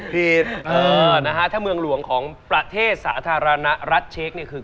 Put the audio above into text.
นะฮะถ้าเมืองหลวงของประเทศสาธารณรัฐเช็คเนี่ยคือ